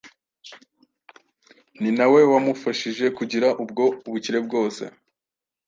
ni na we wamufashije kugira ubwo bukire bwose.